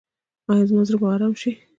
ایا زما زړه به ارام شي؟